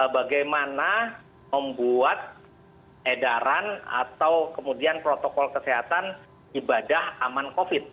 bagaimana membuat edaran atau kemudian protokol kesehatan ibadah aman covid